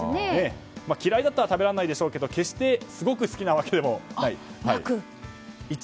嫌いだったら食べられないでしょうけども決してすごく好きなわけでもない。